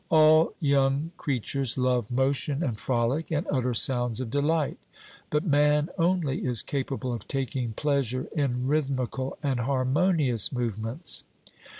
All young creatures love motion and frolic, and utter sounds of delight; but man only is capable of taking pleasure in rhythmical and harmonious movements.